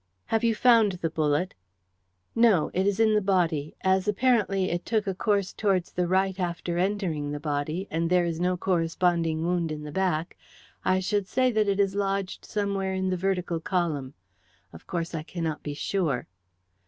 "Have you found the bullet?" "No, it is in the body. As apparently it took a course towards the right after entering the body, and there is no corresponding wound in the back, I should say that it is lodged somewhere in the vertical column. Of course, I cannot be sure."